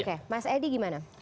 oke mas edi gimana